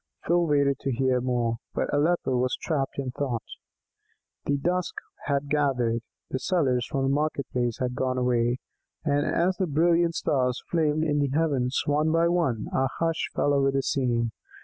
Phil waited to hear more, but Aleppo was trapped in thought. The dusk had gathered; the sellers from the market place had gone away, and as the brilliant stars flamed in the heavens one by one, a hush fell over the scene.